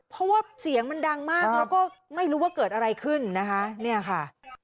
เพราะว่าเสียงมันดังมากแล้วก็ไม่รู้ว่าเกิดอะไรขึ้นนะคะเนี่ยค่ะ